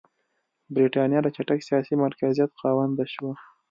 برېټانیا د چټک سیاسي مرکزیت خاونده شوه.